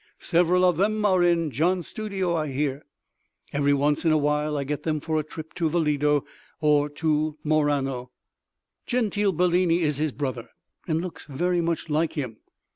Several of them are in Gian's studio, I hear—every once in a while I get them for a trip to the Lido or to Murano. Gentile Bellini is his brother and looks very much like him.